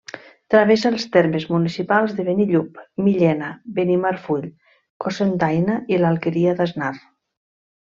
Travessa els termes municipals de Benillup, Millena, Benimarfull, Cocentaina i l'Alqueria d'Asnar.